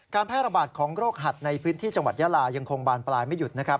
แพร่ระบาดของโรคหัดในพื้นที่จังหวัดยาลายังคงบานปลายไม่หยุดนะครับ